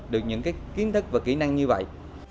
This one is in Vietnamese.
được những kiến thức và kỹ năng như vậy